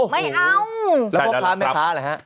ไม่เอาแล้วพ่อค้าแม่ค้าอะไรครับ